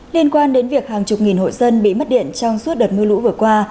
liên quan đến việc hàng chục nghìn hộ dân bị mất điện trong suốt đợt mưa lũ vừa qua